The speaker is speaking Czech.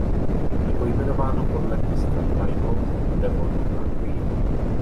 Je pojmenováno podle města Plymouth v Devonu v Anglii.